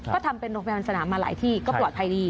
ก็ทำเป็นโรงพยาบาลสนามมาหลายที่ก็ปลอดภัยดี